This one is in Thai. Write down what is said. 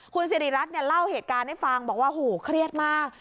คุณสิริรัตน์เนี่ยเล่าเหตุการณ์ให้ฟังบอกว่าโหเครียดมาก